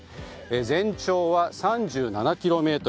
全長３７ｋｍ。